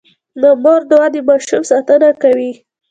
د مور دعا د ماشوم ساتنه کوي.